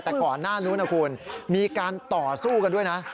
แต่ก่อนหน้านู้นนะคุณมีการต่อสู้กันด้วยนะ